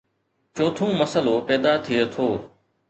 چوٿون مسئلو پيدا ٿئي ٿو